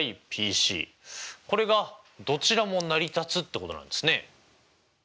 これがどちらも成り立つってことなんですね。